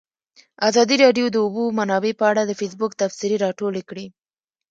ازادي راډیو د د اوبو منابع په اړه د فیسبوک تبصرې راټولې کړي.